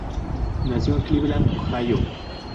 Nació en Cleveland, Ohio.